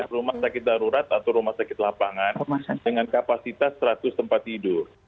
rumah sakit darurat atau rumah sakit lapangan dengan kapasitas seratus tempat tidur